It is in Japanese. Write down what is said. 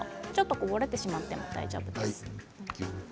こぼれてしまっても大丈夫です。